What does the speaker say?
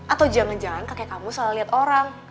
atau jangan jangan kakek kamu salah lihat orang